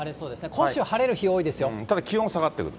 今週、ただ、気温下がってくる。